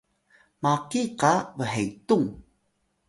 maki qa bhetung